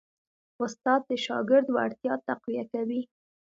استاد د شاګرد وړتیا تقویه کوي.